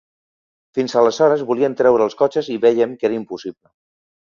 Fins aleshores volien treure els cotxes i vèiem que era impossible.